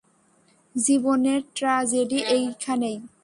জীবনের ট্রাজেডি এইখানেই।